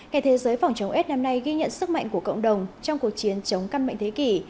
ngày thế giới phòng chống s năm nay ghi nhận sức mạnh của cộng đồng trong cuộc chiến chống căn mệnh thế kỷ